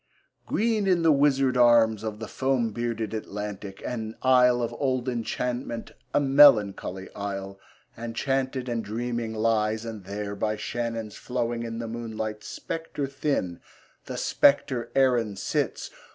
Green in the wizard arms Of the foam bearded Atlantic, An isle of old enchantment, A melancholy isle, Enchanted and dreaming lies; And there, by Shannon's flowing In the moonlight, spectre thin, The spectre Erin sits.